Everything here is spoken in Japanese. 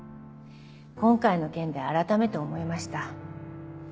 今回の件で改めて思いました。